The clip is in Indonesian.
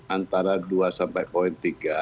antara dua sampai poin tiga